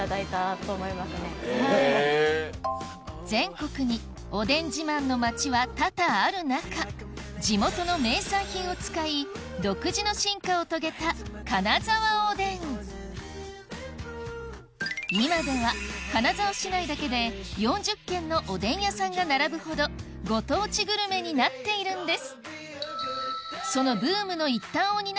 全国におでん自慢の町は多々ある中今では金沢市内だけで４０軒のおでん屋さんが並ぶほどご当地グルメになっているんです